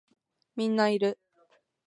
みんないる